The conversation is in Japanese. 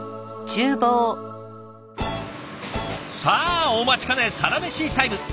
さあお待ちかねサラメシタイム。